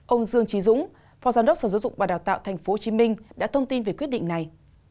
ông dương trí dũng phó giám đốc sở dụng và đào tạo thành phố hồ chí minh đã thông tin về quyết định này